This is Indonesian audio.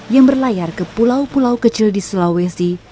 yang berlayar ke pulau pulau kecil di sulawesi